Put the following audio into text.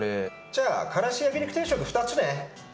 じゃあからし焼肉定食２つね。